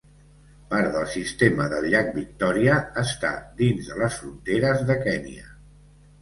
Part del sistema del llac Victòria està dins de les fronteres de Kenya.